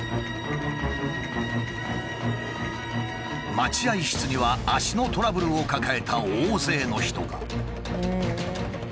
待合室には脚のトラブルを抱えた大勢の人が。